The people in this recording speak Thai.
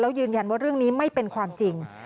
ยืนยันว่าเรื่องนี้ไม่เป็นความจริง